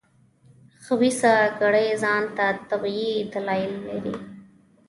خبیثه کړۍ ځان ته طبیعي دلایل لري.